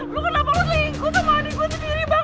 lu kenapa lu selingkuh sama adik gue sendiri bang